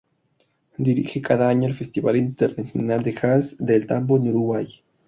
Dirige cada año el Festival Internacional de Jazz de El Tambo en Uruguay.